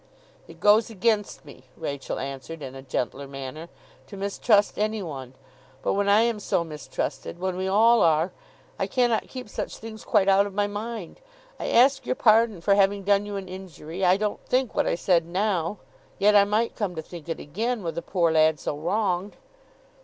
'It goes against me,' Rachael answered, in a gentler manner, 'to mistrust any one; but when I am so mistrusted—when we all are—I cannot keep such things quite out of my mind. I ask your pardon for having done you an injury. I don't think what I said now. Yet I might come to think it again, wi' the poor lad so wronged.